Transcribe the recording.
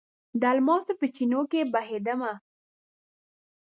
د الماسو په چېنو کې بهیدمه